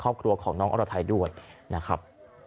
ครอบครัวของน้องอรไทยด้วยนะครับ